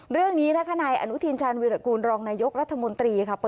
เรื่องนี้นครรภัณฑ์อาหนุทีชาญวิทยากูลรองนายกรรภมนตรี